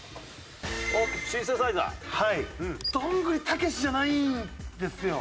どんぐりたけしじゃないんですよ